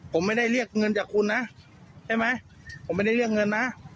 ผมไม่ได้เรียกเงินจากคุณนะใช่ไหมผมไม่ได้เรียกเงินนะ